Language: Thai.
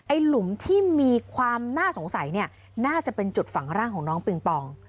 หลุมที่มีความน่าสงสัยเนี่ยน่าจะเป็นจุดฝังร่างของน้องปิงปอง